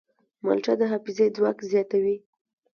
مالټه د حافظې ځواک زیاتوي.